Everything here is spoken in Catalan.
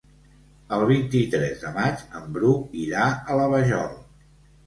El vint-i-tres de maig en Bru irà a la Vajol.